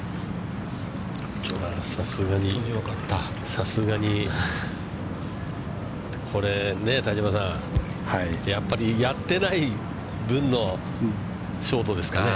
さすがに、これね、田島さん、やっぱり、やってない分のショートですかね。